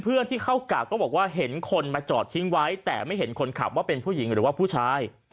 เพื่อนที่เข้ากากก็บอกว่าเห็นคนมาจอดทิ้งไว้แต่ไม่เห็นคนขับว่าเป็นผู้หญิงหรือว่าผู้ชาย